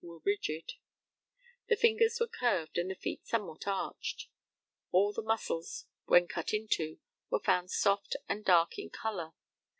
were rigid. The fingers were curved, and the feet somewhat arched. All the muscles, when cut into, were found soft and dark in colour.